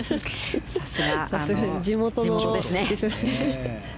さすが、地元ですね。